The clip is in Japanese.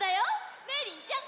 ねえりんちゃん！